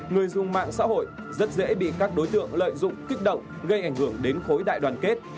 người dùng mạng xã hội rất dễ bị các đối tượng lợi dụng kích động gây ảnh hưởng đến khối đại đoàn kết